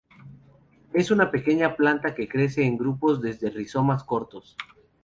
Es una pequeña planta que crece en grupos desde rizomas cortos.